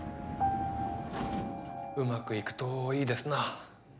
うまくいくといいですな。